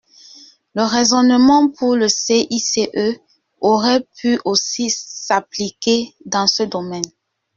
Le raisonnement pour le CICE aurait pu aussi s’appliquer dans ce domaine.